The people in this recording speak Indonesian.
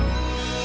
aduh aduh aduh